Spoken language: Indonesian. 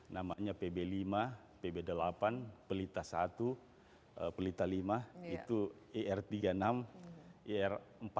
namanya pb lima pb delapan pelita satu pelita lima itu er tiga puluh enam er empat